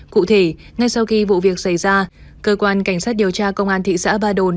cụ thể ngay sau khi vụ việc xảy ra cơ quan cảnh sát điều tra công an thị xã ba đồn